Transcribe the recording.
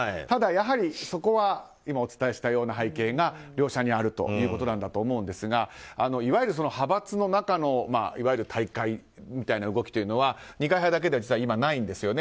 ただ、やはりそこは今、お伝えしたような背景が両者にあるということだと思うんですがいわゆる派閥の中の退会みたいな動きというのは二階派だけではないんです。